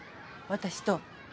私と。